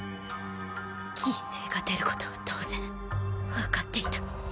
犠牲が出ることは当然分かっていた。